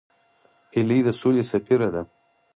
هیلۍ د سولې سفیره ده